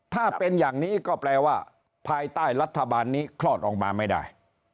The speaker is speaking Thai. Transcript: ถ้าเป็นอย่างนี้ก็แปลว่าภายใต้รัฐบาลนี้คลอดออกมาไม่ได้